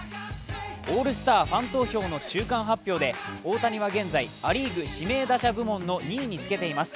オールスターファン投票の中間発表で大谷はパ・リーグで指名打者部門の２位につけています